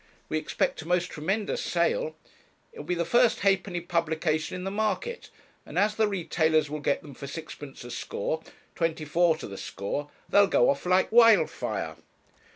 We expect a most tremendous sale. It will be the first halfpenny publication in the market, and as the retailers will get them for sixpence a score twenty four to the score they'll go off like wildfire.'